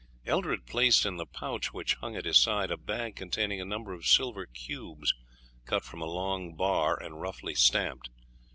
Eldred placed in the pouch which hung at his side a bag containing a number of silver cubes cut from a long bar and roughly stamped.